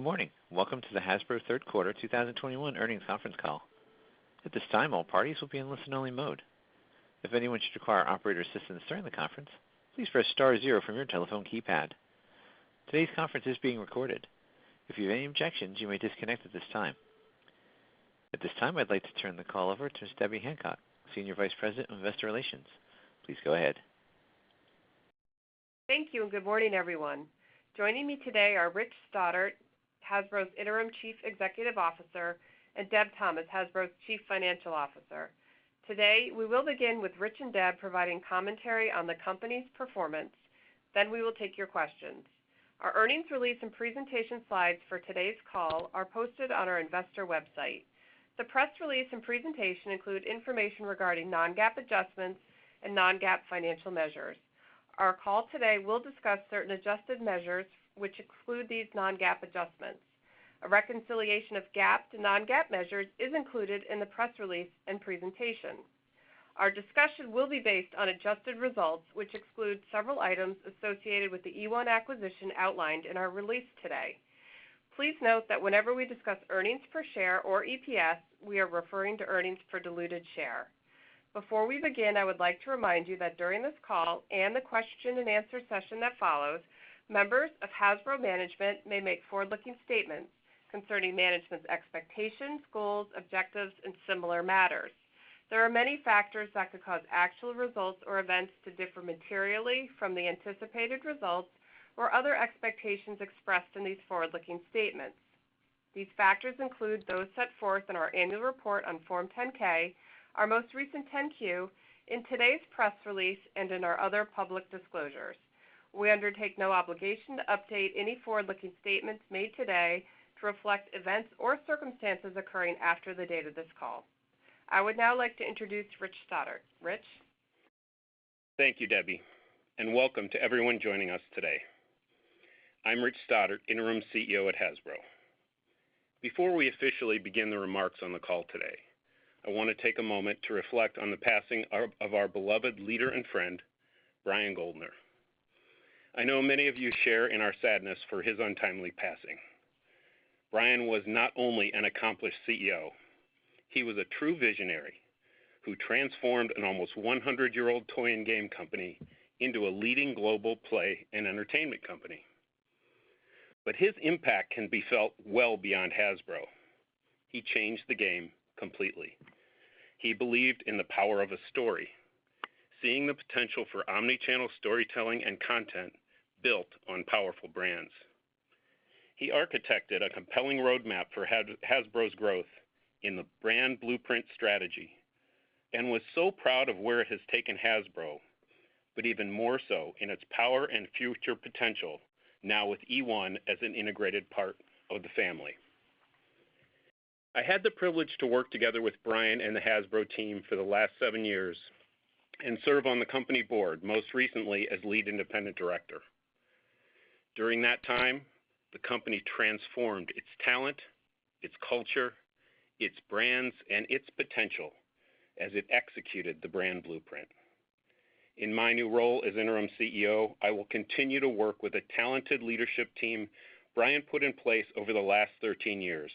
Good morning. Welcome to the Hasbro third quarter 2021 earnings conference call. At this time, all parties will be in listen-only mode. If anyone should require operator assistance during the conference, please press star zero from your telephone keypad. Today's conference is being recorded. If you have any objections, you may disconnect at this time. At this time, I'd like to turn the call over to Debbie Hancock, Senior Vice President of Investor Relations. Please go ahead. Thank you, and good morning, everyone. Joining me today are Rich Stoddart, Hasbro's Interim Chief Executive Officer, and Deb Thomas, Hasbro's Chief Financial Officer. Today, we will begin with Rich and Deb providing commentary on the company's performance. Then we will take your questions. Our earnings release and presentation slides for today's call are posted on our investor website. The press release and presentation include information regarding non-GAAP adjustments and non-GAAP financial measures. Our call today will discuss certain adjusted measures which exclude these non-GAAP adjustments. A reconciliation of GAAP to non-GAAP measures is included in the press release and presentation. Our discussion will be based on adjusted results, which exclude several items associated with the eOne acquisition outlined in our release today. Please note that whenever we discuss earnings per share or EPS, we are referring to earnings per diluted share. Before we begin, I would like to remind you that during this call and the question and answer session that follows, members of Hasbro management may make forward-looking statements concerning management's expectations, goals, objectives, and similar matters. There are many factors that could cause actual results or events to differ materially from the anticipated results or other expectations expressed in these forward-looking statements. These factors include those set forth in our annual report on Form 10-K, our most recent 10-Q, in today's press release, and in our other public disclosures. We undertake no obligation to update any forward-looking statements made today to reflect events or circumstances occurring after the date of this call. I would now like to introduce Rich Stoddart. Rich? Thank you, Debbie, and welcome to everyone joining us today. I'm Rich Stoddart, Interim CEO at Hasbro. Before we officially begin the remarks on the call today, I wanna take a moment to reflect on the passing of our beloved leader and friend, Brian Goldner. I know many of you share in our sadness for his untimely passing. Brian was not only an accomplished CEO, he was a true visionary who transformed an almost 100-year-old toy and game company into a leading global play and entertainment company. His impact can be felt well beyond Hasbro. He changed the game completely. He believed in the power of a story, seeing the potential for omni-channel storytelling and content built on powerful brands. He architected a compelling roadmap for Hasbro's growth in the Brand Blueprint strategy and was so proud of where it has taken Hasbro, but even more so in its power and future potential now with eOne as an integrated part of the family. I had the privilege to work together with Brian and the Hasbro team for the last seven years and serve on the company board, most recently as lead independent director. During that time, the company transformed its talent, its culture, its brands, and its potential as it executed the Brand Blueprint. In my new role as Interim CEO, I will continue to work with a talented leadership team Brian put in place over the last 13 years,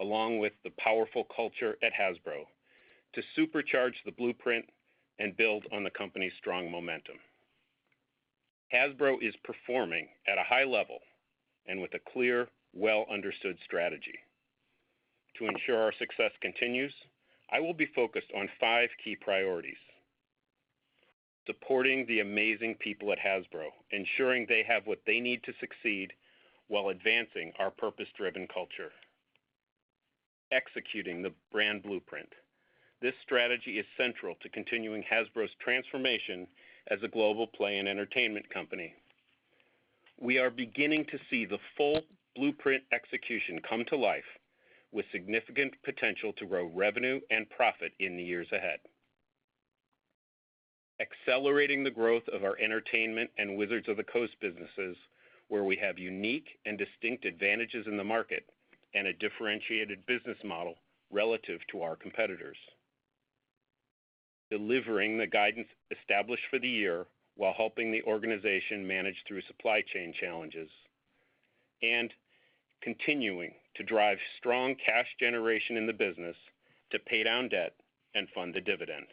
along with the powerful culture at Hasbro, to supercharge the Brand Blueprint and build on the company's strong momentum. Hasbro is performing at a high level and with a clear, well-understood strategy. To ensure our success continues, I will be focused on five key priorities. Supporting the amazing people at Hasbro, ensuring they have what they need to succeed while advancing our purpose-driven culture. Executing the Brand Blueprint. This strategy is central to continuing Hasbro's transformation as a global play and entertainment company. We are beginning to see the full Blueprint execution come to life with significant potential to grow revenue and profit in the years ahead. Accelerating the growth of our entertainment and Wizards of the Coast businesses, where we have unique and distinct advantages in the market and a differentiated business model relative to our competitors. Delivering the guidance established for the year while helping the organization manage through supply chain challenges. Continuing to drive strong cash generation in the business to pay down debt and fund the dividend.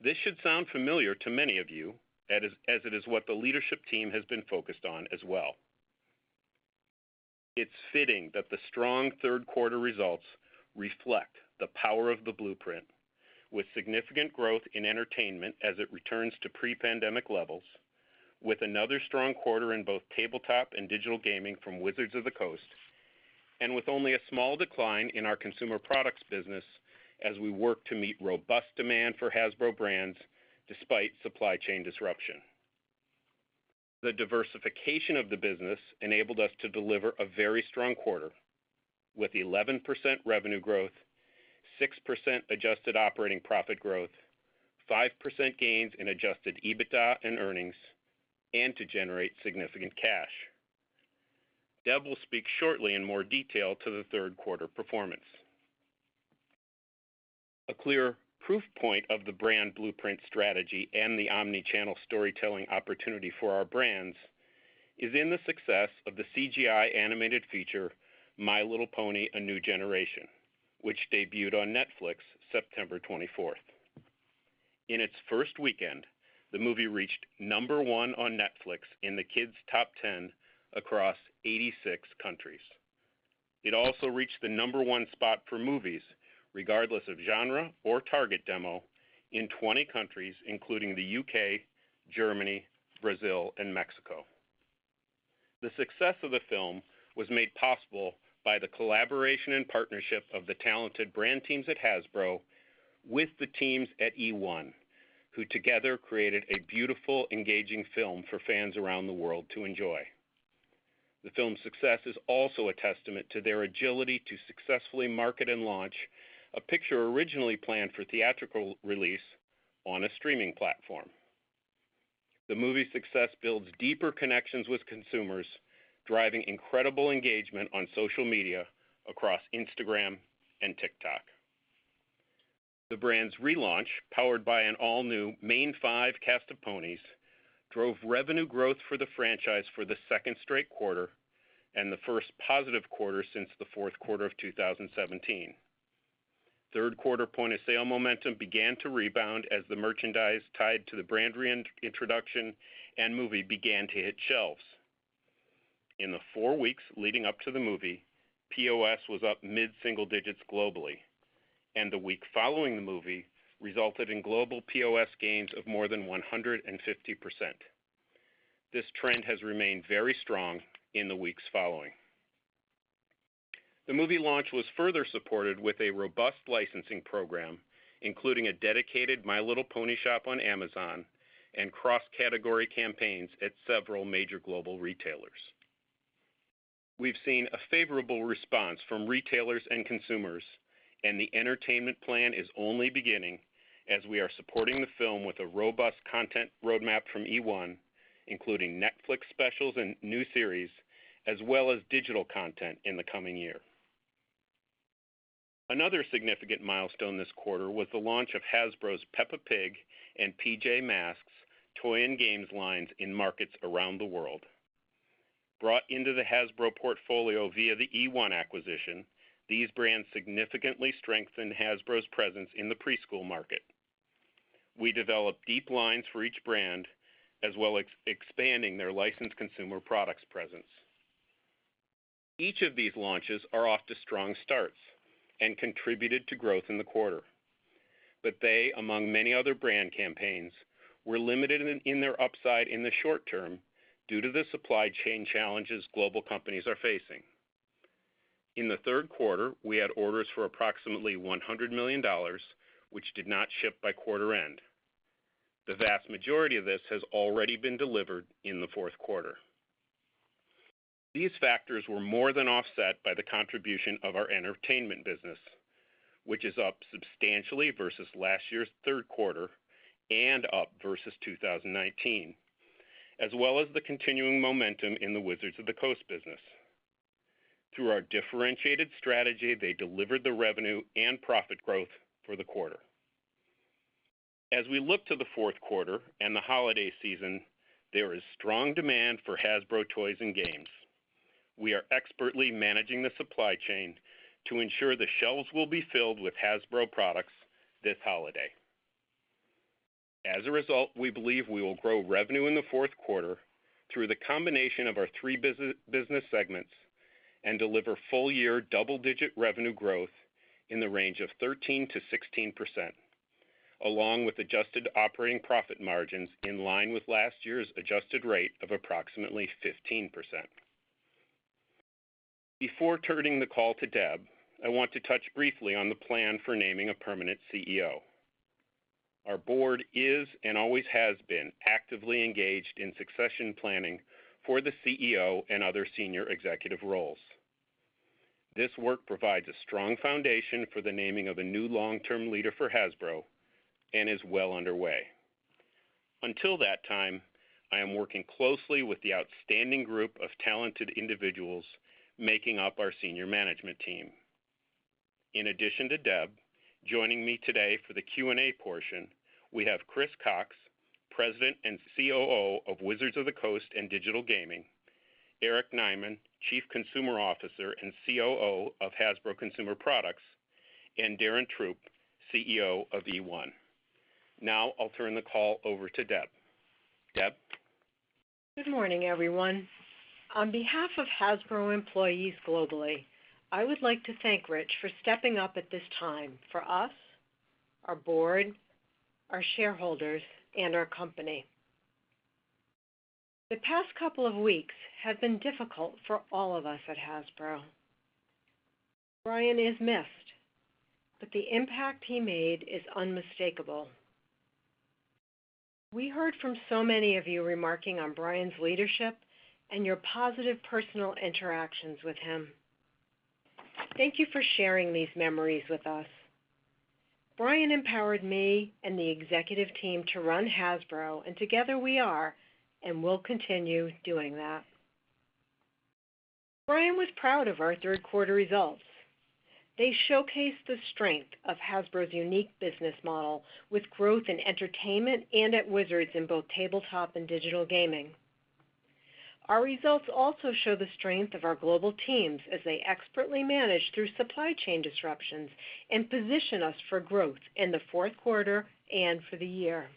This should sound familiar to many of you, as it is what the leadership team has been focused on as well. It's fitting that the strong third quarter results reflect the power of the blueprint with significant growth in entertainment as it returns to pre-pandemic levels, with another strong quarter in both tabletop and digital gaming from Wizards of the Coast, and with only a small decline in our consumer products business as we work to meet robust demand for Hasbro brands despite supply chain disruption. The diversification of the business enabled us to deliver a very strong quarter with 11% revenue growth, 6% adjusted operating profit growth, 5% gains in adjusted EBITDA and earnings, and to generate significant cash. Deb will speak shortly in more detail to the third quarter performance. A clear proof point of the Brand Blueprint strategy and the omni-channel storytelling opportunity for our brands is in the success of the CGI animated feature, My Little Pony: A New Generation, which debuted on Netflix September 24th. In its first weekend, the movie reached number one on Netflix in the kids' top 10 across 86 countries. It also reached the number one spot for movies, regardless of genre or target demo, in 20 countries, including the U.K., Germany, Brazil, and Mexico. The success of the film was made possible by the collaboration and partnership of the talented brand teams at Hasbro with the teams at eOne, who together created a beautiful, engaging film for fans around the world to enjoy. The film's success is also a testament to their agility to successfully market and launch a picture originally planned for theatrical release on a streaming platform. The movie's success builds deeper connections with consumers, driving incredible engagement on social media across Instagram and TikTok. The brand's relaunch, powered by an all-new Mane Five cast of ponies, drove revenue growth for the franchise for the second straight quarter and the first positive quarter since the fourth quarter of 2017. Third quarter point-of-sale momentum began to rebound as the merchandise tied to the brand reintroduction and movie began to hit shelves. In the four weeks leading up to the movie, POS was up mid-single digits globally, and the week following the movie resulted in global POS gains of more than 150%. This trend has remained very strong in the weeks following. The movie launch was further supported with a robust licensing program, including a dedicated My Little Pony shop on Amazon and cross-category campaigns at several major global retailers. We've seen a favorable response from retailers and consumers, and the entertainment plan is only beginning as we are supporting the film with a robust content roadmap from eOne, including Netflix specials and new series, as well as digital content in the coming year. Another significant milestone this quarter was the launch of Hasbro's Peppa Pig and PJ Masks toy and games lines in markets around the world. Brought into the Hasbro portfolio via the eOne acquisition, these brands significantly strengthen Hasbro's presence in the preschool market. We developed deep lines for each brand, as well as expanding their licensed consumer products presence. Each of these launches are off to strong starts and contributed to growth in the quarter. They, among many other brand campaigns, were limited in their upside in the short term due to the supply chain challenges global companies are facing. In the third quarter, we had orders for approximately $100 million, which did not ship by quarter end. The vast majority of this has already been delivered in the fourth quarter. These factors were more than offset by the contribution of our entertainment business, which is up substantially versus last year's third quarter and up versus 2019, as well as the continuing momentum in the Wizards of the Coast business. Through our differentiated strategy, they delivered the revenue and profit growth for the quarter. As we look to the fourth quarter and the holiday season, there is strong demand for Hasbro toys and games. We are expertly managing the supply chain to ensure the shelves will be filled with Hasbro products this holiday. As a result, we believe we will grow revenue in the fourth quarter through the combination of our three business segments and deliver full-year double-digit revenue growth in the range of 13%-16%, along with adjusted operating profit margins in line with last year's adjusted rate of approximately 15%. Before turning the call to Deb, I want to touch briefly on the plan for naming a permanent CEO. Our board is and always has been actively engaged in succession planning for the CEO and other senior executive roles. This work provides a strong foundation for the naming of a new long-term leader for Hasbro and is well underway. Until that time, I am working closely with the outstanding group of talented individuals making up our senior management team. In addition to Deb, joining me today for the Q&A portion, we have Chris Cocks, President and COO of Wizards of the Coast and Digital Gaming, Eric Nyman, Chief Consumer Officer and COO of Hasbro Consumer Products, and Darren Throop, CEO of eOne. Now I'll turn the call over to Deb. Deb? Good morning, everyone. On behalf of Hasbro employees globally, I would like to thank Rich for stepping up at this time for us, our board, our shareholders, and our company. The past couple of weeks have been difficult for all of us at Hasbro. Brian is missed, but the impact he made is unmistakable. We heard from so many of you remarking on Brian's leadership and your positive personal interactions with him. Thank you for sharing these memories with us. Brian empowered me and the executive team to run Hasbro, and together we are and will continue doing that. Brian was proud of our third quarter results. They showcased the strength of Hasbro's unique business model with growth in entertainment and at Wizards in both tabletop and digital gaming. Our results also show the strength of our global teams as they expertly manage through supply chain disruptions and position us for growth in the fourth quarter and for the year.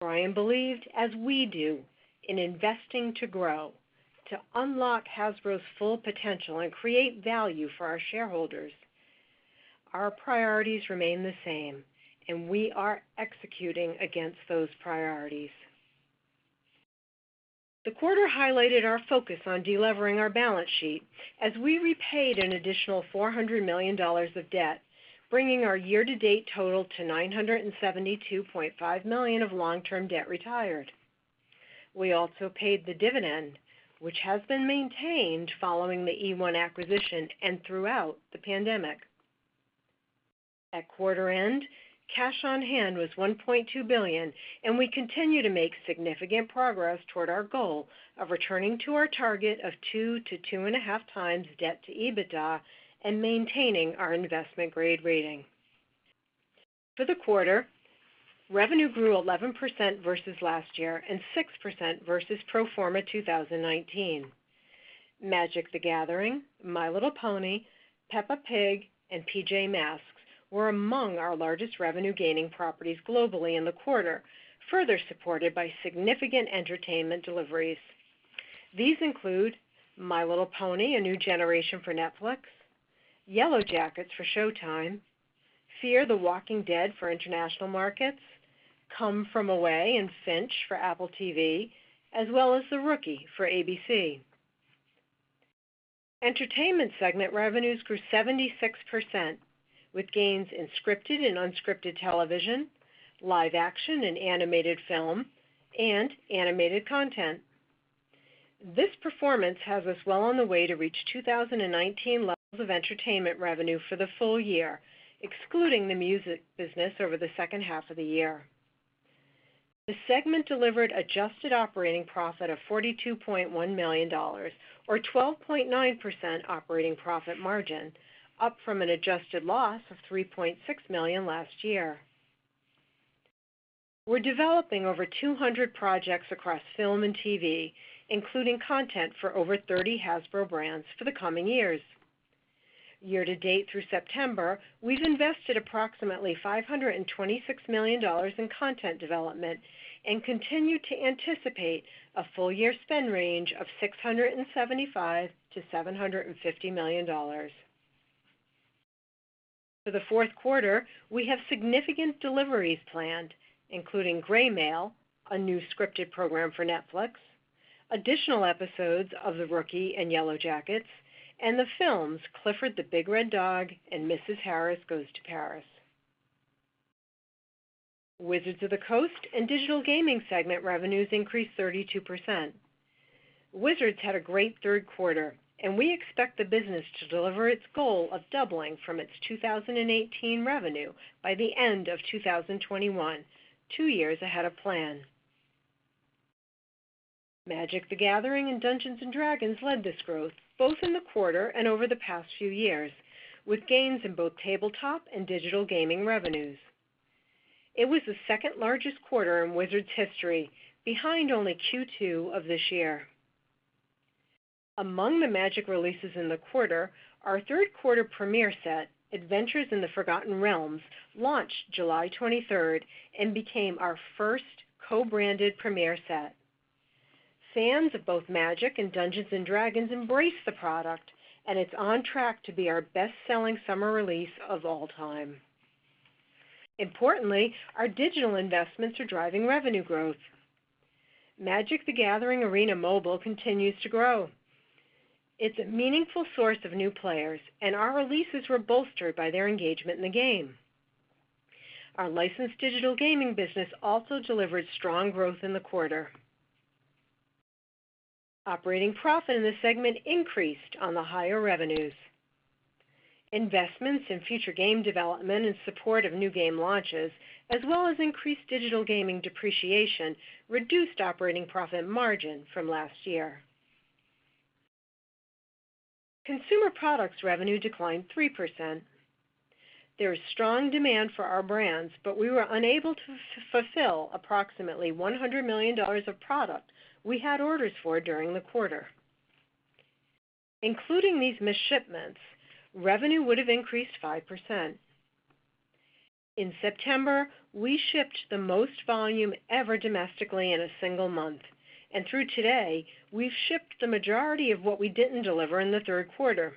Brian believed, as we do, in investing to grow, to unlock Hasbro's full potential and create value for our shareholders. Our priorities remain the same, and we are executing against those priorities. The quarter highlighted our focus on delevering our balance sheet as we repaid an additional $400 million of debt, bringing our year-to-date total to $972.5 million of long-term debt retired. We also paid the dividend, which has been maintained following the eOne acquisition and throughout the pandemic. At quarter end, cash on hand was $1.2 billion, and we continue to make significant progress toward our goal of returning to our target of 2-2.5x debt to EBITDA and maintaining our investment grade rating. For the quarter, revenue grew 11% versus last year and 6% versus pro forma 2019. Magic: The Gathering, My Little Pony, Peppa Pig, and PJ Masks were among our largest revenue-gaining properties globally in the quarter, further supported by significant entertainment deliveries. These include My Little Pony: A New Generation for Netflix, Yellowjackets for Showtime, Fear the Walking Dead for international markets, Come From Away and Finch for Apple TV+, as well as The Rookie for ABC. Entertainment segment revenues grew 76%, with gains in scripted and unscripted television, live action and animated film, and animated content. This performance has us well on the way to reach 2019 levels of entertainment revenue for the full year, excluding the music business over the second half of the year. The segment delivered adjusted operating profit of $42.1 million, or 12.9% operating profit margin, up from an adjusted loss of $3.6 million last year. We're developing over 200 projects across film and TV, including content for over 30 Hasbro brands for the coming years. Year to date through September, we've invested approximately $526 million in content development and continue to anticipate a full year spend range of $675 million-$750 million. For the fourth quarter, we have significant deliveries planned, including Greymail, a new scripted program for Netflix, additional episodes of The Rookie and Yellowjackets, and the films Clifford the Big Red Dog and Mrs. Harris Goes to Paris. Wizards of the Coast and Digital Gaming segment revenues increased 32%. Wizards had a great third quarter, and we expect the business to deliver its goal of doubling from its 2018 revenue by the end of 2021, two years ahead of plan. Magic: The Gathering and Dungeons & Dragons led this growth, both in the quarter and over the past few years, with gains in both tabletop and digital gaming revenues. It was the second largest quarter in Wizards history, behind only Q2 of this year. Among the Magic: The Gathering releases in the quarter, our third quarter premiere set, Adventures in the Forgotten Realms, launched July 23rd and became our first co-branded premiere set. Fans of both Magic: The Gathering and Dungeons & Dragons embraced the product, and it's on track to be our best-selling summer release of all time. Importantly, our digital investments are driving revenue growth. Magic: The Gathering Arena Mobile continues to grow. It's a meaningful source of new players, and our releases were bolstered by their engagement in the game. Our licensed digital gaming business also delivered strong growth in the quarter. Operating profit in the segment increased on the higher revenues. Investments in future game development in support of new game launches, as well as increased digital gaming depreciation, reduced operating profit margin from last year. Consumer products revenue declined 3%. There is strong demand for our brands, but we were unable to fulfill approximately $100 million of product we had orders for during the quarter. Including these missed shipments, revenue would have increased 5%. In September, we shipped the most volume ever domestically in a single month, and through today, we've shipped the majority of what we didn't deliver in the third quarter.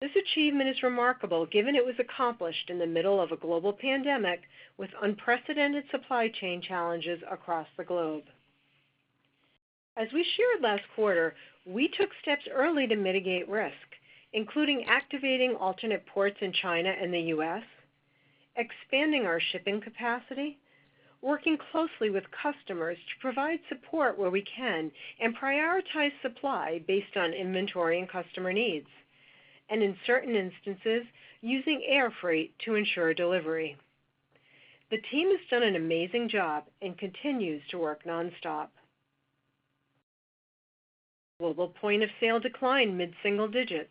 This achievement is remarkable given it was accomplished in the middle of a global pandemic with unprecedented supply chain challenges across the globe. As we shared last quarter, we took steps early to mitigate risk, including activating alternate ports in China and the U.S., expanding our shipping capacity, working closely with customers to provide support where we can and prioritize supply based on inventory and customer needs, and in certain instances, using air freight to ensure delivery. The team has done an amazing job and continues to work nonstop. Global point of sale declined mid-single digits.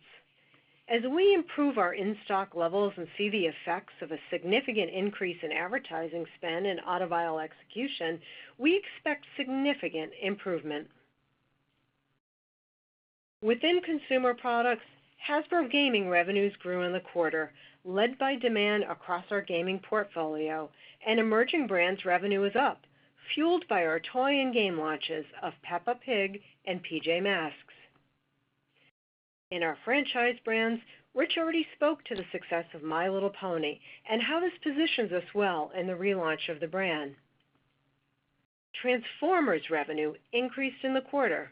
As we improve our in-stock levels and see the effects of a significant increase in advertising spend and omnichannel execution, we expect significant improvement. Within Consumer Products, Hasbro Gaming revenues grew in the quarter, led by demand across our gaming portfolio and emerging brands revenue is up, fueled by our toy and game launches of Peppa Pig and PJ Masks. In our Franchise Brands, Rich already spoke to the success of My Little Pony and how this positions us well in the relaunch of the brand. Transformers revenue increased in the quarter.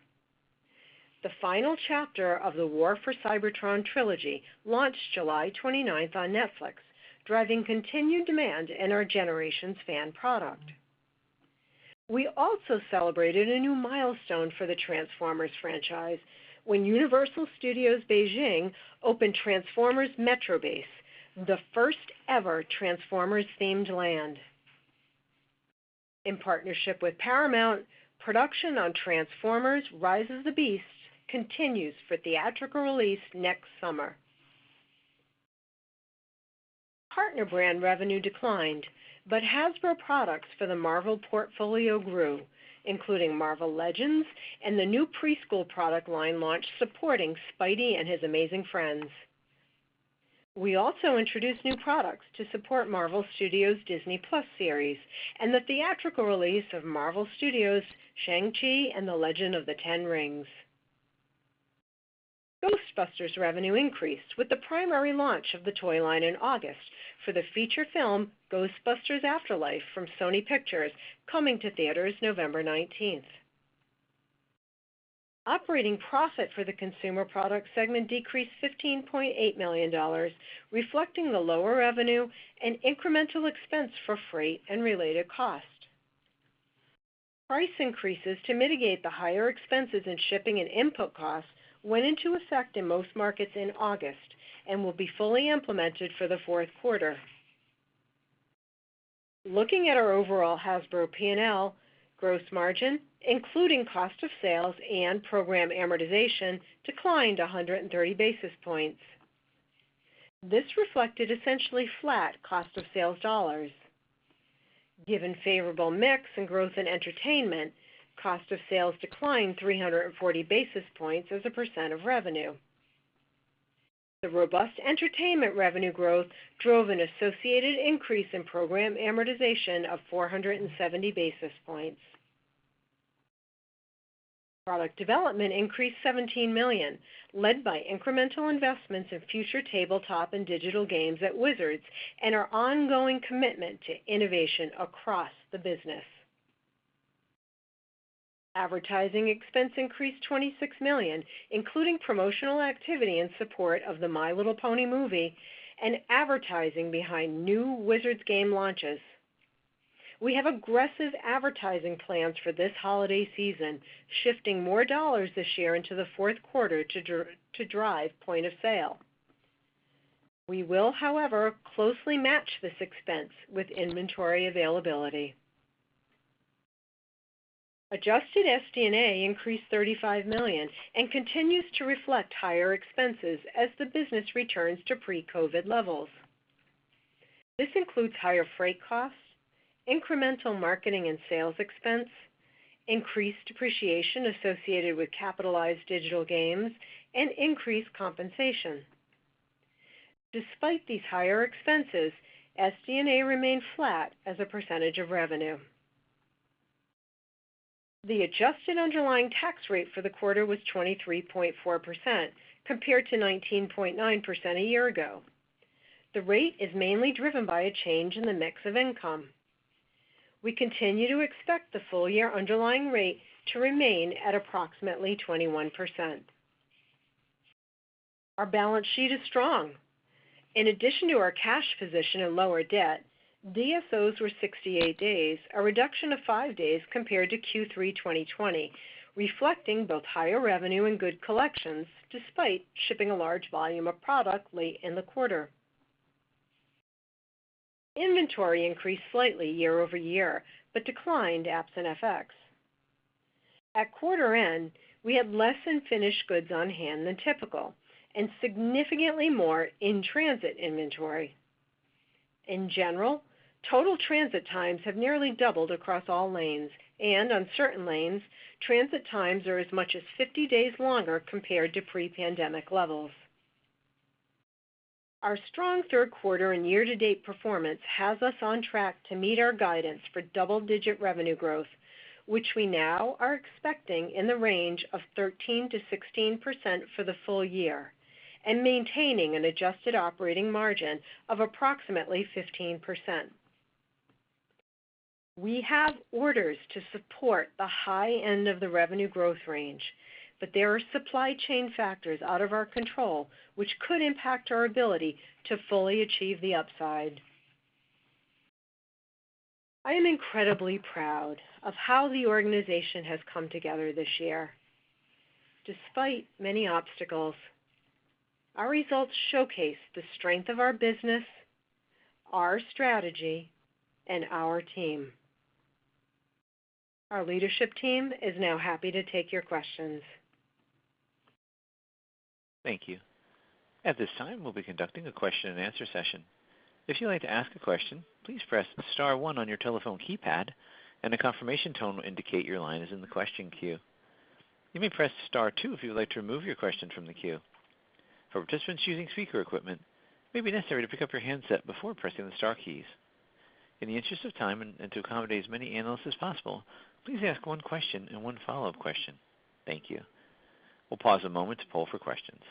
The final chapter of the War for Cybertron Trilogy launched July 29 on Netflix, driving continued demand in our Generations fan product. We also celebrated a new milestone for the Transformers franchise when Universal Studios Beijing opened Transformers Metrobase, the first-ever Transformers-themed land. In partnership with Paramount, production on Transformers: Rise of the Beasts continues for theatrical release next summer. Partner brand revenue declined, but Hasbro products for the Marvel portfolio grew, including Marvel Legends and the new preschool product line launch supporting Spidey and His Amazing Friends. We also introduced new products to support Marvel Studios' Disney+ series and the theatrical release of Marvel Studios' Shang-Chi and the Legend of the Ten Rings. Ghostbusters revenue increased with the primary launch of the toy line in August for the feature film Ghostbusters: Afterlife from Sony Pictures, coming to theaters November 19. Operating profit for the Consumer Products segment decreased $15.8 million, reflecting the lower revenue and incremental expense for freight and related cost. Price increases to mitigate the higher expenses in shipping and input costs went into effect in most markets in August and will be fully implemented for the fourth quarter. Looking at our overall Hasbro P&L, gross margin, including cost of sales and program amortization, declined 130 basis points. This reflected essentially flat cost of sales dollars. Given favorable mix and growth in entertainment, cost of sales declined 340 basis points as a percent of revenue. The robust entertainment revenue growth drove an associated increase in program amortization of 470 basis points. Product development increased $17 million, led by incremental investments in future tabletop and digital games at Wizards and our ongoing commitment to innovation across the business. Advertising expense increased $26 million, including promotional activity in support of the My Little Pony movie and advertising behind new Wizards game launches. We have aggressive advertising plans for this holiday season, shifting more dollars this year into the fourth quarter to drive point of sale. We will, however, closely match this expense with inventory availability. Adjusted SD&A increased $35 million and continues to reflect higher expenses as the business returns to pre-COVID levels. This includes higher freight costs, incremental marketing and sales expense, increased depreciation associated with capitalized digital games, and increased compensation. Despite these higher expenses, SD&A remained flat as a percentage of revenue. The adjusted underlying tax rate for the quarter was 23.4%, compared to 19.9% a year ago. The rate is mainly driven by a change in the mix of income. We continue to expect the full year underlying rate to remain at approximately 21%. Our balance sheet is strong. In addition to our cash position and lower debt, DSOs were 68 days, a reduction of five days compared to Q3 2020, reflecting both higher revenue and good collections despite shipping a large volume of product late in the quarter. Inventory increased slightly year over year, but declined absent FX. At quarter end, we had less than finished goods on hand than typical and significantly more in-transit inventory. In general, total transit times have nearly doubled across all lanes, and on certain lanes, transit times are as much as 50 days longer compared to pre-pandemic levels. Our strong third quarter and year-to-date performance has us on track to meet our guidance for double-digit revenue growth, which we now are expecting in the range of 13%-16% for the full year and maintaining an adjusted operating margin of approximately 15%. We have orders to support the high end of the revenue growth range, but there are supply chain factors out of our control which could impact our ability to fully achieve the upside. I am incredibly proud of how the organization has come together this year. Despite many obstacles, our results showcase the strength of our business, our strategy, and our team. Our leadership team is now happy to take your questions. Thank you. At this time, we'll be conducting a question-and-answer session. If you'd like to ask a question, please press star one on your telephone keypad, and a confirmation tone will indicate your line is in the question queue. You may press star two if you would like to remove your question from the queue. For participants using speaker equipment, it may be necessary to pick up your handset before pressing the star keys. In the interest of time and to accommodate as many analysts as possible, please ask one question and one follow-up question. Thank you. We'll pause a moment to poll for questions.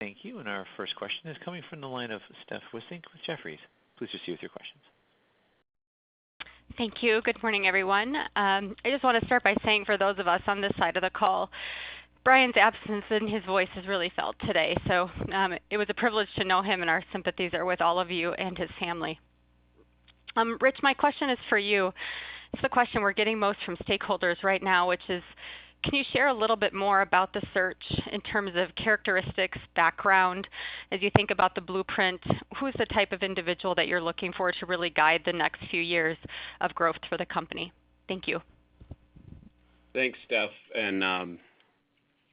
Thank you. Our first question is coming from the line of Steph Wissink with Jefferies. Please proceed with your questions. Thank you. Good morning, everyone. I just wanna start by saying for those of us on this side of the call, Brian's absence and his voice is really felt today. It was a privilege to know him, and our sympathies are with all of you and his family. Rich, my question is for you. It's the question we're getting most from stakeholders right now, which is, can you share a little bit more about the search in terms of characteristics, background? As you think about the Blueprint, who's the type of individual that you're looking for to really guide the next few years of growth for the company? Thank you. Thanks, Steph.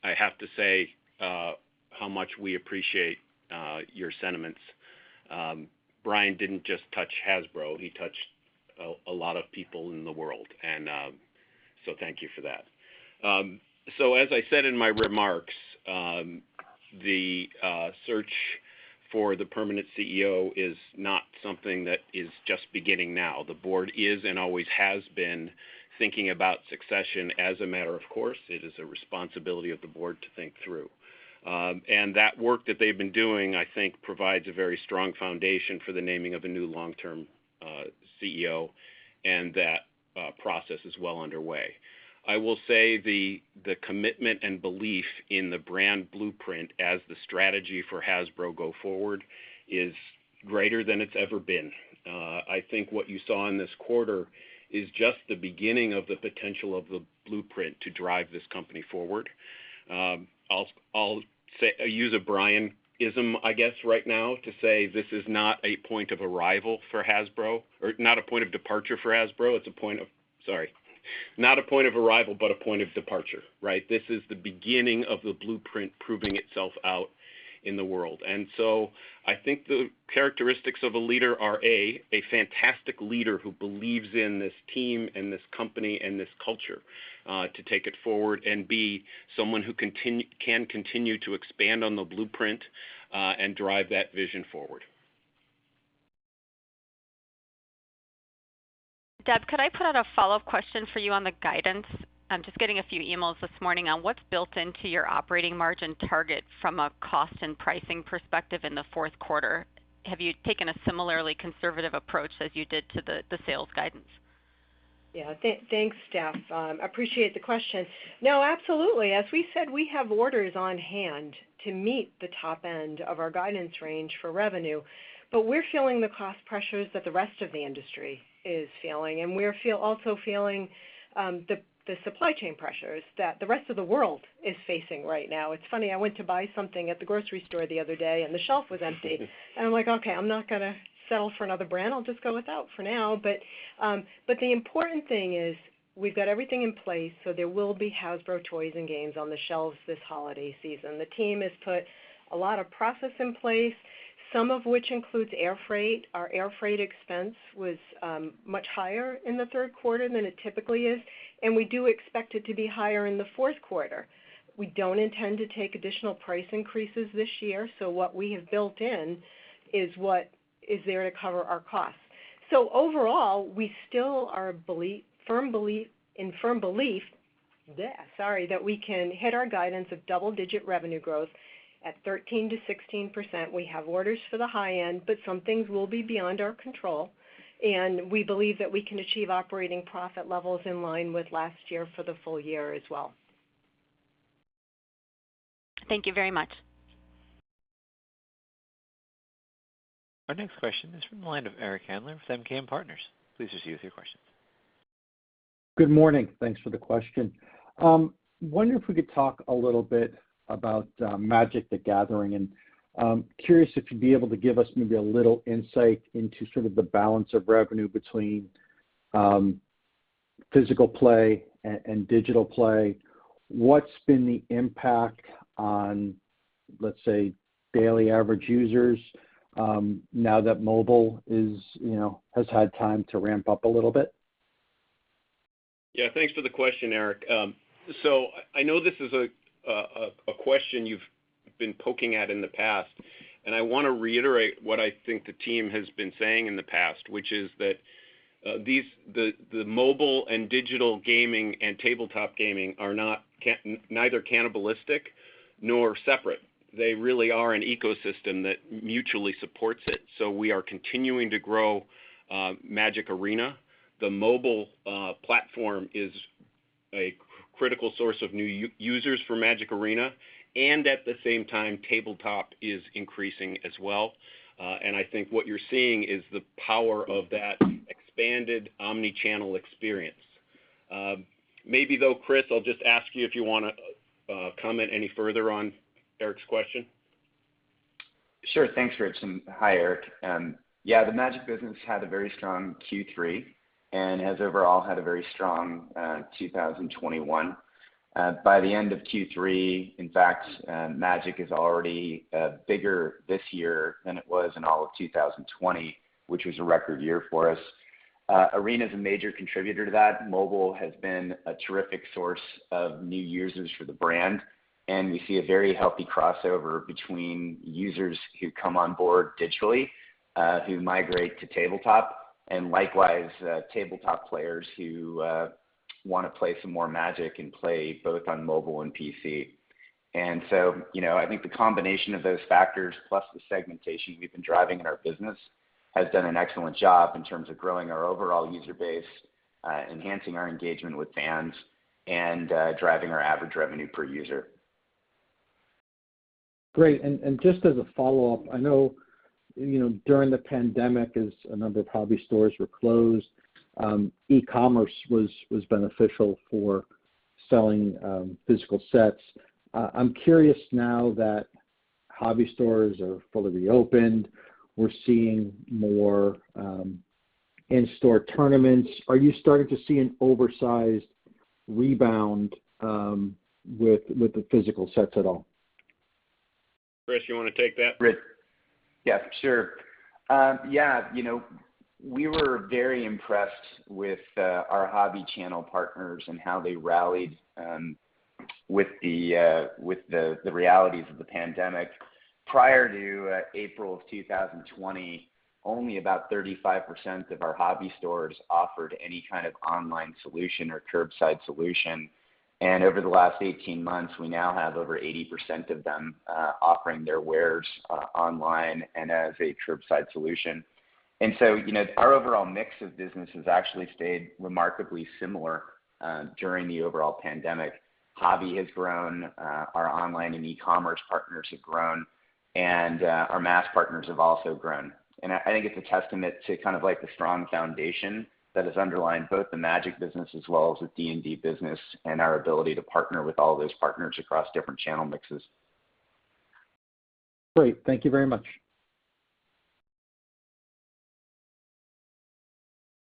I have to say how much we appreciate your sentiments. Brian didn't just touch Hasbro, he touched a lot of people in the world, and thank you for that. As I said in my remarks, the search for the permanent CEO is not something that is just beginning now. The board is and always has been thinking about succession as a matter of course. It is a responsibility of the board to think through. That work that they've been doing, I think, provides a very strong foundation for the naming of a new long-term CEO, and that process is well underway. I will say the commitment and belief in the Brand Blueprint as the strategy for Hasbro go forward is greater than it's ever been. I think what you saw in this quarter is just the beginning of the potential of the blueprint to drive this company forward. I'll use a Brianism, I guess, right now to say this is not a point of arrival for Hasbro, but a point of departure for Hasbro, right? This is the beginning of the blueprint proving itself out in the world. I think the characteristics of a leader are, A, a fantastic leader who believes in this team and this company and this culture, to take it forward. B, someone who can continue to expand on the blueprint, and drive that vision forward. Deb, could I put out a follow-up question for you on the guidance? I'm just getting a few emails this morning on what's built into your operating margin target from a cost and pricing perspective in the fourth quarter. Have you taken a similarly conservative approach as you did to the sales guidance? Yeah. Thanks, Steph. Appreciate the question. No, absolutely. As we said, we have orders on-hand to meet the top end of our guidance range for revenue, but we're feeling the cost pressures that the rest of the industry is feeling, and we're also feeling the supply chain pressures that the rest of the world is facing right now. It's funny, I went to buy something at the grocery store the other day, and the shelf was empty. I'm like, okay, I'm not gonna settle for another brand. I'll just go without for now. The important thing is we've got everything in place, so there will be Hasbro toys and games on the shelves this holiday season. The team has put a lot of process in place, some of which includes air freight. Our air freight expense was much higher in the third quarter than it typically is, and we do expect it to be higher in the fourth quarter. We don't intend to take additional price increases this year, so what we have built in is what is there to cover our costs. Overall, we still are in firm belief that we can hit our guidance of double-digit revenue growth at 13%-16%. We have orders for the high end, but some things will be beyond our control, and we believe that we can achieve operating profit levels in line with last year for the full year as well. Thank you very much. Our next question is from the line of Eric Handler with MKM Partners. Please proceed with your questions. Good morning. Thanks for the question. I wonder if we could talk a little bit about Magic: The Gathering. I'm curious if you'd be able to give us maybe a little insight into sort of the balance of revenue between physical play and digital play. What's been the impact on, let's say, daily average users now that mobile is, you know, has had time to ramp up a little bit? Yeah. Thanks for the question, Eric. I know this is a question you've been poking at in the past, and I wanna reiterate what I think the team has been saying in the past, which is that these, the mobile and digital gaming and tabletop gaming are neither cannibalistic nor separate. They really are an ecosystem that mutually supports it. We are continuing to grow Magic Arena. The mobile platform is a critical source of new users for Magic Arena, and at the same time, tabletop is increasing as well. I think what you're seeing is the power of that expanded omni-channel experience. Maybe though, Chris, I'll just ask you if you wanna comment any further on Eric's question. Sure. Thanks, Rich, and hi, Eric. Yeah, the Magic business had a very strong Q3 and has overall had a very strong 2021. By the end of Q3, in fact, Magic is already bigger this year than it was in all of 2020, which was a record year for us. Arena is a major contributor to that. Mobile has been a terrific source of new users for the brand, and we see a very healthy crossover between users who come on board digitally who migrate to tabletop, and likewise, tabletop players who wanna play some more Magic and play both on mobile and PC. You know, I think the combination of those factors plus the segmentation we've been driving in our business has done an excellent job in terms of growing our overall user base, enhancing our engagement with fans, and driving our average revenue per user. Great. Just as a follow-up, I know, you know, during the pandemic as a number of hobby stores were closed, e-commerce was beneficial for selling physical sets. I'm curious now that hobby store are fully reopened, we're seeing more in-store tournaments. Are you starting to see an oversized rebound with the physical sets at all? Chris, you wanna take that? Yeah, sure. Yeah. You know, we were very impressed with our hobby channel partners and how they rallied with the realities of the pandemic. Prior to April of 2020, only about 35% of our hobby stores offered any kind of online solution or curbside solution. Over the last 18 months, we now have over 80% of them offering their wares online and as a curbside solution. You know, our overall mix of business has actually stayed remarkably similar during the overall pandemic. Hobby has grown, our online and e-commerce partners have grown, and our mass partners have also grown. I think it's a testament to kind of like the strong foundation that has underlain both the Magic business as well as the D&D business and our ability to partner with all those partners across different channel mixes. Great. Thank you very much.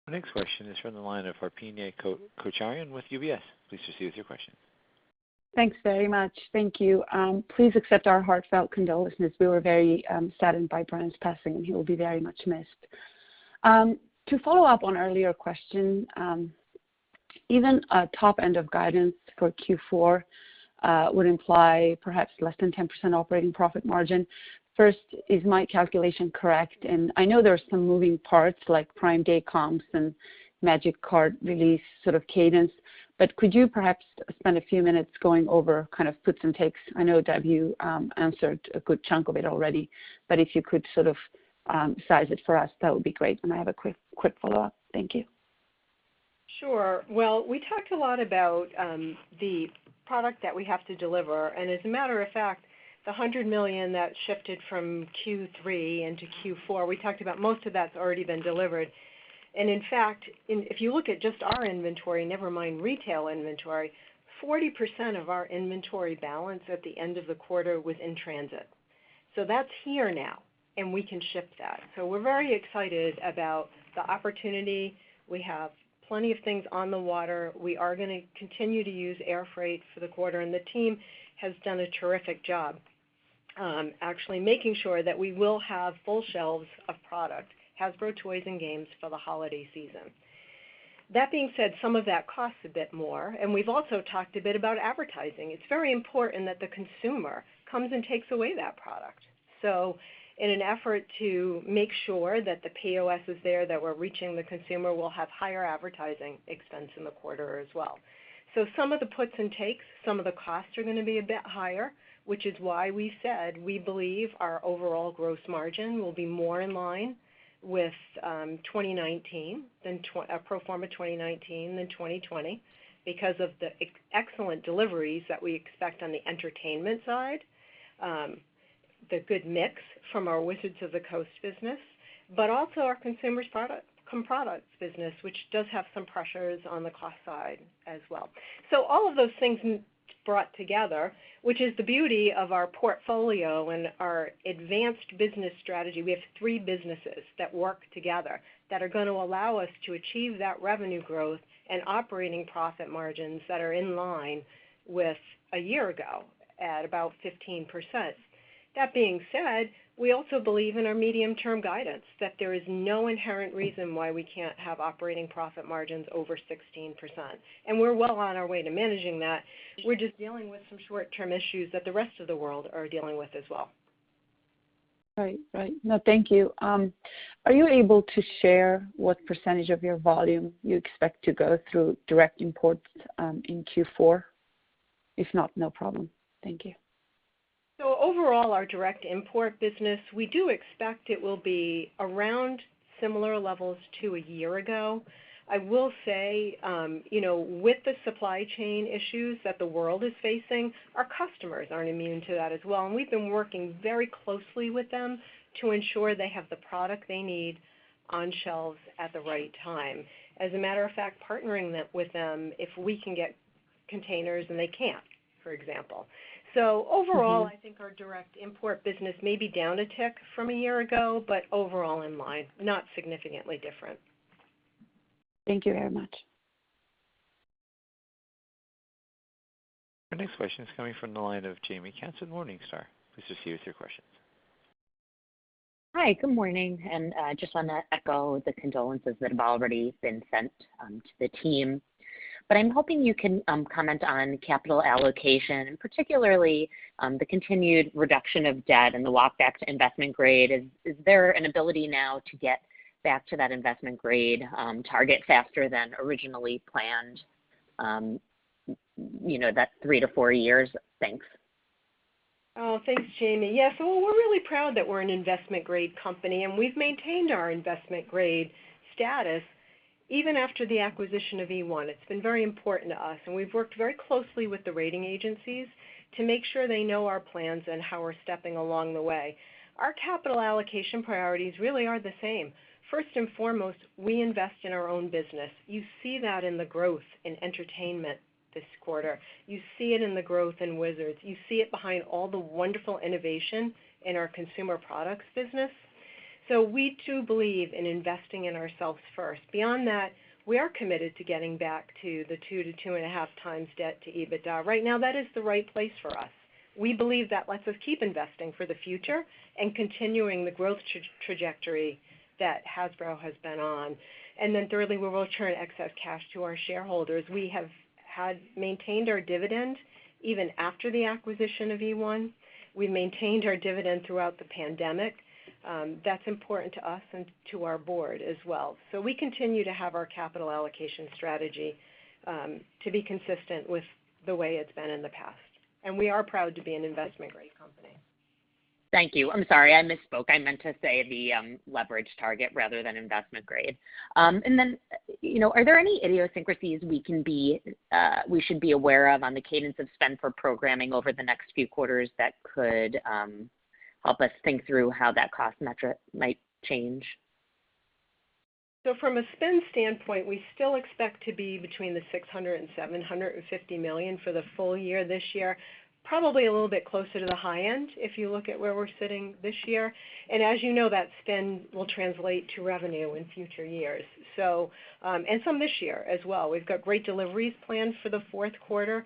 Our next question is from the line of Arpine Kocharyan with UBS. Please proceed with your question. Thanks very much. Thank you. Please accept our heartfelt condolences. We were very saddened by Brian's passing. He will be very much missed. To follow up on earlier question, even a top end of guidance for Q4 would imply perhaps less than 10% operating profit margin. First, is my calculation correct? I know there are some moving parts like Prime Day comps and Magic card release sort of cadence, but could you perhaps spend a few minutes going over kind of puts and takes? I know that you answered a good chunk of it already, but if you could sort of size it for us, that would be great. I have a quick follow-up. Thank you. Sure. Well, we talked a lot about the product that we have to deliver. As a matter of fact, the $100 million that shifted from Q3 into Q4, we talked about most of that's already been delivered. In fact, if you look at just our inventory, never mind retail inventory, 40% of our inventory balance at the end of the quarter was in transit. That's here now, and we can ship that. We're very excited about the opportunity. We have plenty of things on the water. We are gonna continue to use air freight for the quarter, and the team has done a terrific job actually making sure that we will have full shelves of product, Hasbro toys and games for the holiday season. That being said, some of that costs a bit more, and we've also talked a bit about advertising. It's very important that the consumer comes and takes away that product. In an effort to make sure that the POS is there, that we're reaching the consumer, we'll have higher advertising expense in the quarter as well. Some of the puts and takes, some of the costs are gonna be a bit higher, which is why we said we believe our overall gross margin will be more in line with 2019 than pro forma 2019 than 2020 because of the excellent deliveries that we expect on the entertainment side, the good mix from our Wizards of the Coast business, but also our consumer products business, which does have some pressures on the cost side as well. All of those things brought together, which is the beauty of our portfolio and our advanced business strategy. We have three businesses that work together that are gonna allow us to achieve that revenue growth and operating profit margins that are in line with a year ago at about 15%. That being said, we also believe in our medium-term guidance that there is no inherent reason why we can't have operating profit margins over 16%. We're well on our way to managing that. We're just dealing with some short-term issues that the rest of the world are dealing with as well. Right. No, thank you. Are you able to share what percentage of your volume you expect to go through direct imports in Q4? If not, no problem. Thank you. Overall, our direct import business, we do expect it will be around similar levels to a year ago. I will say, you know, with the supply chain issues that the world is facing, our customers aren't immune to that as well, and we've been working very closely with them to ensure they have the product they need on shelves at the right time. As a matter of fact, partnering with them, if we can get containers and they can't, for example. Overall, I think our direct import business may be down a tick from a year ago, but overall in line, not significantly different. Thank you very much. Our next question is coming from the line of Jaime Katz, Morningstar. Please proceed with your questions. Hi, good morning, just want to echo the condolences that have already been sent to the team. I'm hoping you can comment on capital allocation, and particularly the continued reduction of debt and the walk back to investment grade. Is there an ability now to get back to that investment grade target faster than originally planned, you know, that three-four years? Thanks. Oh, thanks, Jaime. Yes. We're really proud that we're an investment-grade company, and we've maintained our investment grade status even after the acquisition of eOne. It's been very important to us, and we've worked very closely with the rating agencies to make sure they know our plans and how we're stepping along the way. Our capital allocation priorities really are the same. First and foremost, we invest in our own business. You see that in the growth in entertainment this quarter. You see it in the growth in Wizards. You see it behind all the wonderful innovation in our consumer products business. We, too, believe in investing in ourselves first. Beyond that, we are committed to getting back to the 2-2.5x debt to EBITDA. Right now, that is the right place for us. We believe that lets us keep investing for the future and continuing the growth trajectory that Hasbro has been on. Then thirdly, we will return excess cash to our shareholders. We have had maintained our dividend even after the acquisition of eOne. We maintained our dividend throughout the pandemic. That's important to us and to our board as well. We continue to have our capital allocation strategy to be consistent with the way it's been in the past. We are proud to be an investment grade company. Thank you. I'm sorry, I misspoke. I meant to say the leverage target rather than investment grade. You know, are there any idiosyncrasies we should be aware of on the cadence of spend for programming over the next few quarters that could help us think through how that cost metric might change? From a spend standpoint, we still expect to be between $600 million and $750 million for the full year this year, probably a little bit closer to the high end if you look at where we're sitting this year. As you know, that spend will translate to revenue in future years, some this year as well. We've got great deliveries planned for the fourth quarter.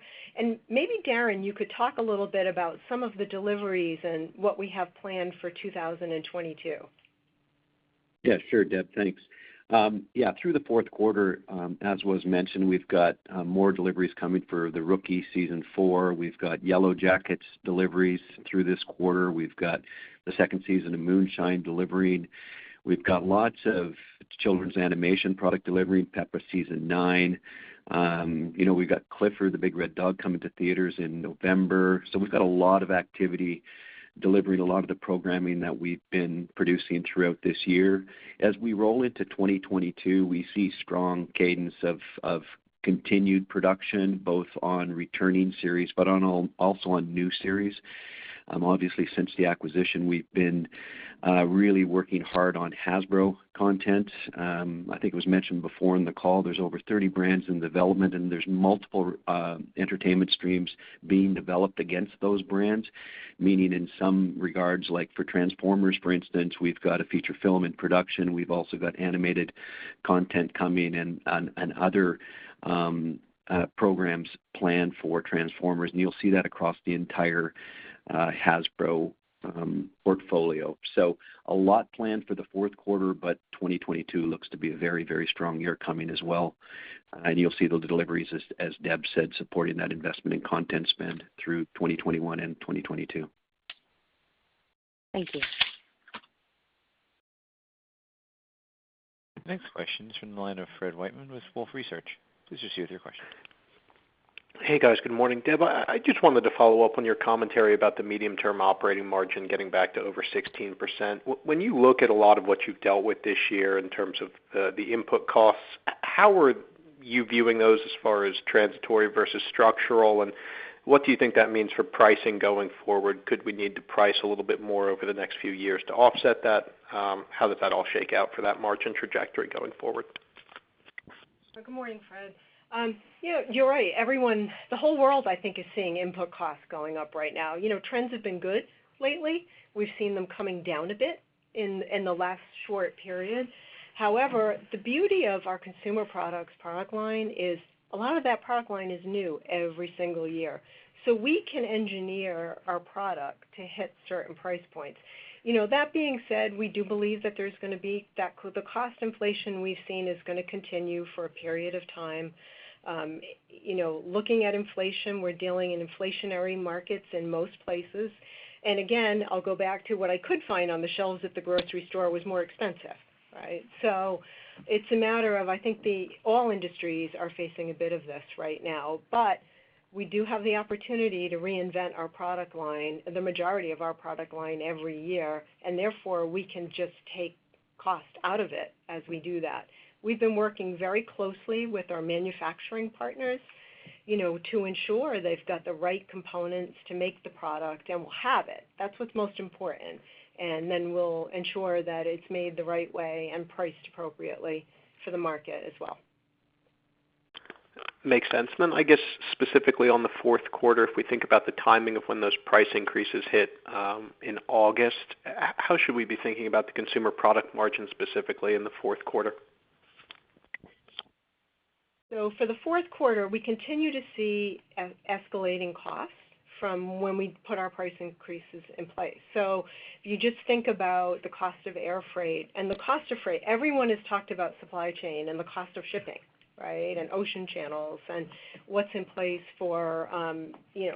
Maybe Darren, you could talk a little bit about some of the deliveries and what we have planned for 2022. Yeah, sure, Deb. Thanks. Yeah, through the fourth quarter, as was mentioned, we've got more deliveries coming for The Rookie Season 4. We've got Yellowjackets deliveries through this quarter. We've got the second season of Moonshine delivering. We've got lots of children's animation product delivery, Peppa Season 9. You know, we've got Clifford the Big Red Dog coming to theaters in November. We've got a lot of activity delivering a lot of the programming that we've been producing throughout this year. As we roll into 2022, we see strong cadence of continued production, both on returning series, but also on new series. Obviously, since the acquisition, we've been really working hard on Hasbro content. I think it was mentioned before in the call, there's over 30 brands in development, and there's multiple entertainment streams being developed against those brands. Meaning in some regards, like for Transformers, for instance, we've got a feature film in production. We've also got animated content coming and other programs planned for Transformers, and you'll see that across the entire Hasbro portfolio. A lot planned for the fourth quarter, but 2022 looks to be a very strong year coming as well. You'll see the deliveries, as Deb said, supporting that investment in content spend through 2021 and 2022. Thank you. The next question is from the line of Fred Wightman with Wolfe Research. Please proceed with your question. Hey, guys. Good morning. Deb, I just wanted to follow up on your commentary about the medium-term operating margin getting back to over 16%. When you look at a lot of what you've dealt with this year in terms of the input costs, how are you viewing those as far as transitory versus structural? What do you think that means for pricing going forward? Could we need to price a little bit more over the next few years to offset that? How does that all shake out for that margin trajectory going forward? Good morning, Fred. You know, you're right. Everyone. The whole world, I think, is seeing input costs going up right now. You know, trends have been good lately. We've seen them coming down a bit in the last short period. However, the beauty of our consumer products product line is a lot of that product line is new every single year. We can engineer our product to hit certain price points. You know, that being said, we do believe that the cost inflation we've seen is gonna continue for a period of time. You know, looking at inflation, we're dealing in inflationary markets in most places. Again, I'll go back to what I could find on the shelves at the grocery store was more expensive, right? It's a matter of, I think all industries are facing a bit of this right now. We do have the opportunity to reinvent our product line, the majority of our product line every year, and therefore, we can just take cost out of it as we do that. We've been working very closely with our manufacturing partners, you know, to ensure they've got the right components to make the product, and we'll have it. That's what's most important. We'll ensure that it's made the right way and priced appropriately for the market as well. Makes sense. I guess specifically on the fourth quarter, if we think about the timing of when those price increases hit, in August, how should we be thinking about the consumer product margin specifically in the fourth quarter? For the fourth quarter, we continue to see escalating costs from when we put our price increases in place. If you just think about the cost of air freight and the cost of freight, everyone has talked about supply chain and the cost of shipping, right? And ocean channels and what's in place for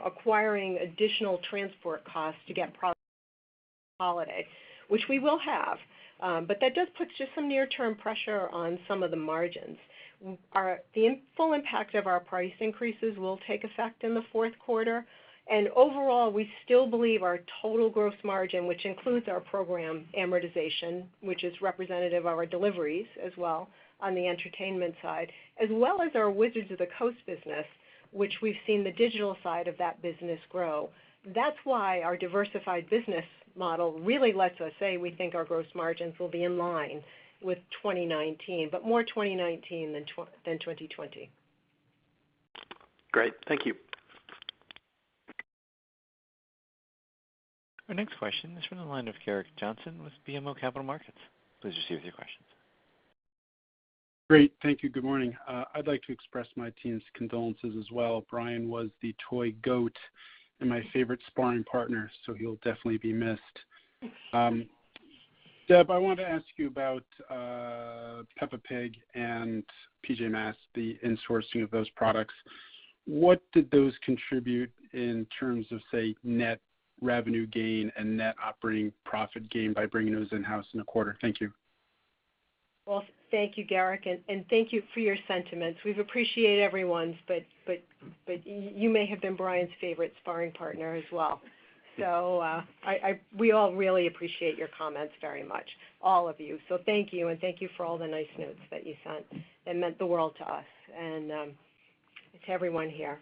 acquiring additional transport costs to get products for the holiday, which we will have. But that puts some near-term pressure on some of the margins. The full impact of our price increases will take effect in the fourth quarter. Overall, we still believe our total gross margin, which includes our program amortization, which is representative of our deliveries as well on the entertainment side, as well as our Wizards of the Coast business, which we've seen the digital side of that business grow. That's why our diversified business model really lets us say we think our gross margins will be in line with 2019, but more 2019 than 2020. Great. Thank you. Our next question is from the line of Gerrick Johnson with BMO Capital Markets. Please proceed with your questions. Great. Thank you. Good morning. I'd like to express my team's condolences as well. Brian was the toy GOAT and my favorite sparring partner, so he'll definitely be missed. Deb, I wanted to ask you about Peppa Pig and PJ Masks, the insourcing of those products. What did those contribute in terms of, say, net revenue gain and net operating profit gain by bringing those in-house in the quarter? Thank you. Well, thank you, Gerrick. Thank you for your sentiments. We appreciate everyone's, but you may have been Brian's favorite sparring partner as well. We all really appreciate your comments very much, all of you. Thank you, and thank you for all the nice notes that you sent. It meant the world to us and to everyone here.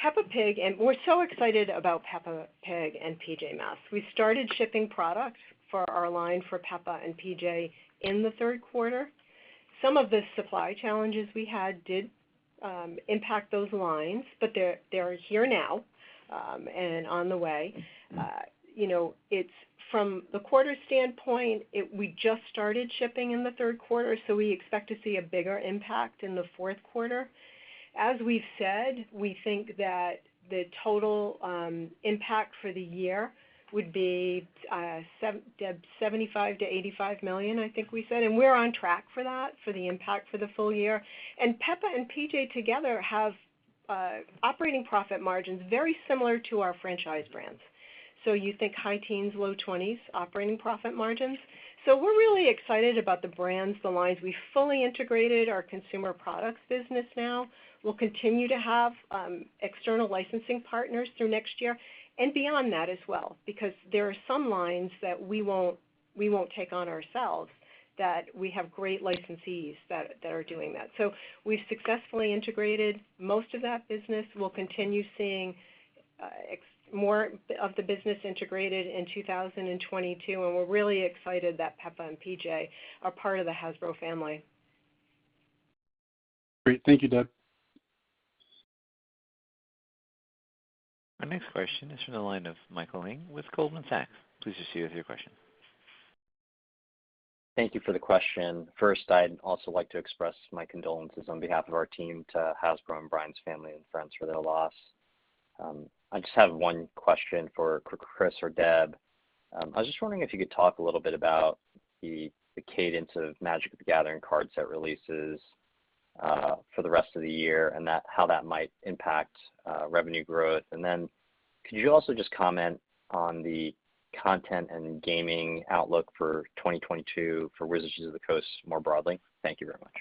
Peppa Pig, and we're so excited about Peppa Pig and PJ Masks. We started shipping products for our line for Peppa and PJ in the third quarter. Some of the supply challenges we had did impact those lines, but they're here now, and on the way. You know, it's from the quarter standpoint, we just started shipping in the third quarter, so we expect to see a bigger impact in the fourth quarter. As we've said, we think that the total impact for the year would be $75 million-$85 million, I think we said, and we're on track for that for the impact for the full year. Peppa and PJ together have operating profit margins very similar to our franchise brands. You think high teens, low twenties operating profit margins. We're really excited about the brands, the lines. We fully integrated our consumer products business now. We'll continue to have external licensing partners through next year and beyond that as well, because there are some lines that we won't take on ourselves, that we have great licensees that are doing that. We've successfully integrated most of that business. We'll continue seeing more of the business integrated in 2022, and we're really excited that Peppa and PJ are part of the Hasbro family. Great. Thank you, Deb. Our next question is from the line of Michael Ng with Goldman Sachs. Please proceed with your question. Thank you for the question. First, I'd also like to express my condolences on behalf of our team to Hasbro and Brian's family and friends for their loss. I just have one question for Chris or Deb. I was just wondering if you could talk a little bit about the cadence of Magic: The Gathering card set releases for the rest of the year and how that might impact revenue growth. Then could you also just comment on the content and gaming outlook for 2022 for Wizards of the Coast more broadly? Thank you very much.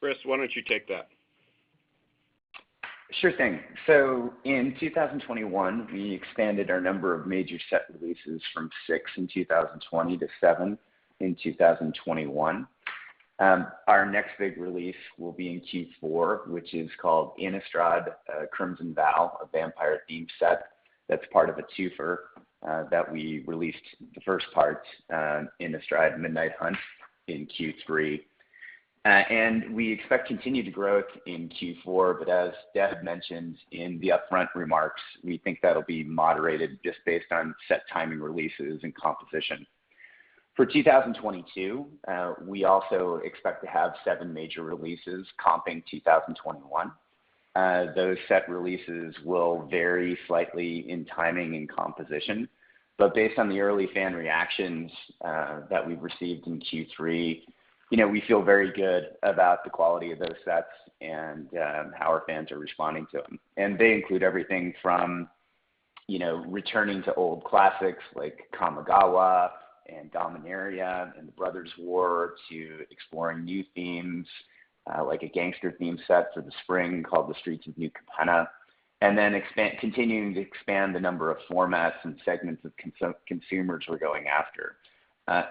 Chris, why don't you take that? Sure thing. In 2021, we expanded our number of major set releases from six in 2020 to seven in 2021. Our next big release will be in Q4, which is called Innistrad: Crimson Vow, a vampire-themed set that's part of a twofer, that we released the first part, Innistrad: Midnight Hunt in Q3. We expect continued growth in Q4, but as Deb mentioned in the upfront remarks, we think that'll be moderated just based on set timing releases and composition. For 2022, we also expect to have seven major releases comping 2021. Those set releases will vary slightly in timing and composition, but based on the early fan reactions that we've received in Q3, you know, we feel very good about the quality of those sets and how our fans are responding to them. They include everything from, you know, returning to old classics like Kamigawa and Dominaria and The Brothers' War to exploring new themes, like a gangster theme set for the spring called The Streets of New Capenna, and then continuing to expand the number of formats and segments of consumers we're going after,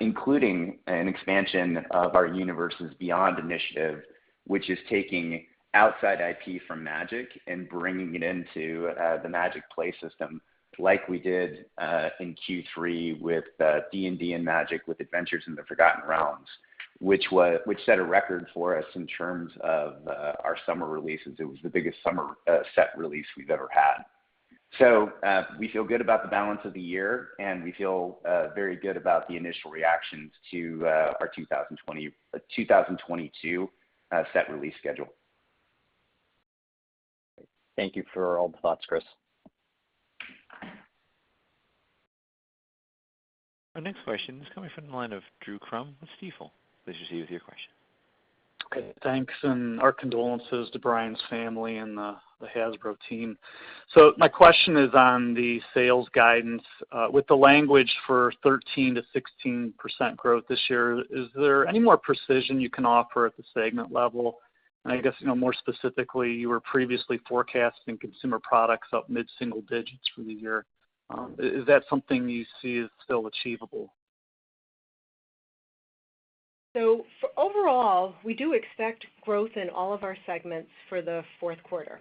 including an expansion of our Universes Beyond initiative, which is taking outside IP from Magic and bringing it into the Magic play system like we did in Q3 with D&D and Magic with Adventures in the Forgotten Realms, which set a record for us in terms of our summer releases. It was the biggest summer set release we've ever had. We feel good about the balance of the year, and we feel very good about the initial reactions to our 2022 set release schedule. Thank you for all the thoughts, Chris. Our next question is coming from the line of Drew Crum with Stifel. Please proceed with your question. Okay, thanks, and our condolences to Brian's family and the Hasbro team. My question is on the sales guidance. With the language for 13%-16% growth this year, is there any more precision you can offer at the segment level? And I guess, you know, more specifically, you were previously forecasting consumer products up mid-single digits for the year. Is that something you see as still achievable? For overall, we do expect growth in all of our segments for the fourth quarter.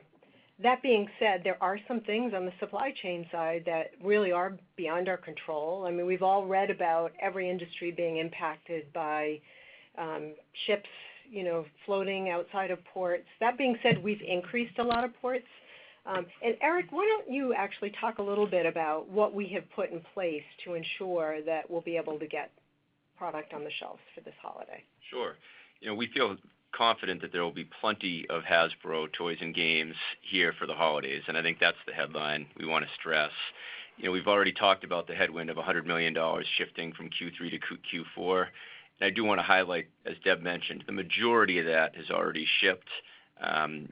That being said, there are some things on the supply chain side that really are beyond our control. I mean, we've all read about every industry being impacted by ships, you know, floating outside of ports. That being said, we've increased a lot of ports. Eric, why don't you actually talk a little bit about what we have put in place to ensure that we'll be able to get product on the shelves for this holiday? Sure. You know, we feel confident that there will be plenty of Hasbro toys and games here for the holidays, and I think that's the headline we wanna stress. You know, we've already talked about the headwind of $100 million shifting from Q3 to Q4. I do wanna highlight, as Deb mentioned, the majority of that has already shipped,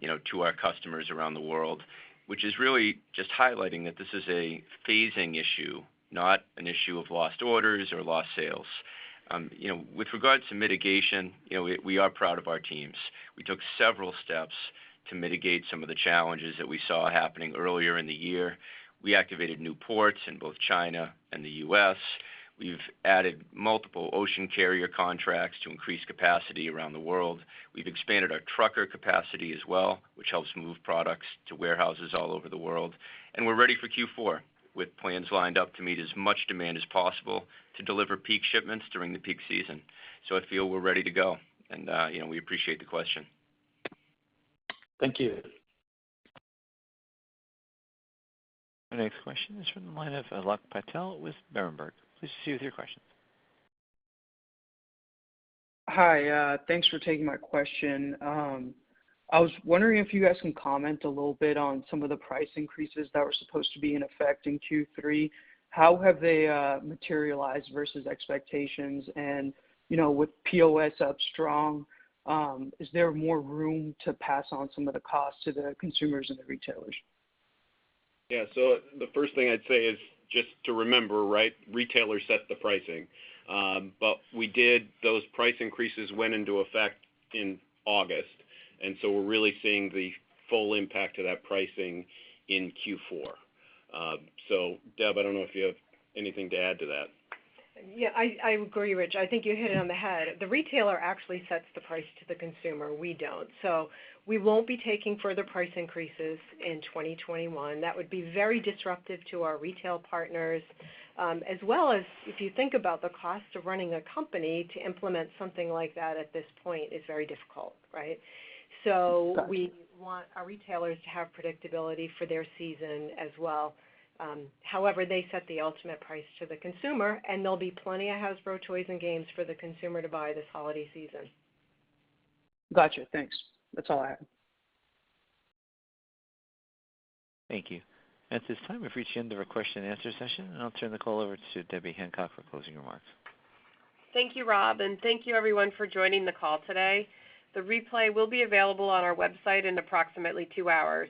you know, to our customers around the world, which is really just highlighting that this is a phasing issue, not an issue of lost orders or lost sales. You know, with regards to mitigation, you know, we are proud of our teams. We took several steps to mitigate some of the challenges that we saw happening earlier in the year. We activated new ports in both China and the U.S. We've added multiple ocean carrier contracts to increase capacity around the world. We've expanded our trucker capacity as well, which helps move products to warehouses all over the world. We're ready for Q4, with plans lined up to meet as much demand as possible to deliver peak shipments during the peak season. I feel we're ready to go and, you know, we appreciate the question. Thank you. Our next question is from the line of Alok Patel with Berenberg. Please go ahead with your question. Hi. Thanks for taking my question. I was wondering if you guys can comment a little bit on some of the price increases that were supposed to be in effect in Q3. How have they materialized versus expectations? You know, with POS up strong, is there more room to pass on some of the costs to the consumers and the retailers? The first thing I'd say is just to remember, right, retailers set the pricing. Those price increases went into effect in August, and so we're really seeing the full impact of that pricing in Q4. Deb, I don't know if you have anything to add to that. Yeah, I agree, Rich. I think you hit it on the head. The retailer actually sets the price to the consumer, we don't. We won't be taking further price increases in 2021. That would be very disruptive to our retail partners, as well as if you think about the cost of running a company to implement something like that at this point is very difficult, right? We want our retailers to have predictability for their season as well. However, they set the ultimate price to the consumer, and there'll be plenty of Hasbro toys and games for the consumer to buy this holiday season. Gotcha. Thanks. That's all I have. Thank you. At this time, we've reached the end of our question and answer session, and I'll turn the call over to Debbie Hancock for closing remarks. Thank you, Rob, and thank you everyone for joining the call today. The replay will be available on our website in approximately two hours.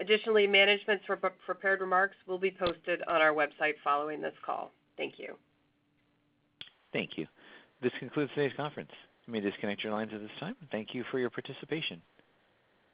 Additionally, management's prepared remarks will be posted on our website following this call. Thank you. Thank you. This concludes today's conference. You may disconnect your lines at this time. Thank you for your participation.